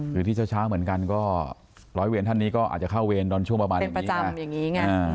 คือที่เช้าเหมือนกันก็ร้อยเวรท่านนี้ก็อาจจะเข้าเวรตอนช่วงประมาณอย่างนี้ใช่ไหม